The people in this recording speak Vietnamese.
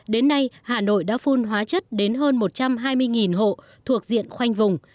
đến nay hà nội đã phun hóa chất đến hơn một trăm hai mươi hộ thuộc diện khoanh vùng